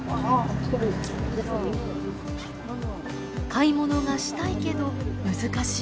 買い物がしたいけど難しい。